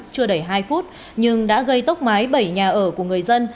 chưa đầy hai phút nhưng đã gây tốc mái bảy nhà ở của người dân